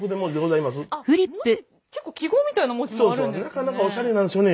結構記号みたいな文字もあるんですね。